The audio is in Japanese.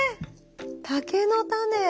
竹のタネ。